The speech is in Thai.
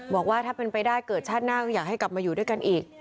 บอกว่าถ้าเป็นไปได้เกิดชาติหน้าก็อยากให้กลับมาอยู่ด้วยกันอีก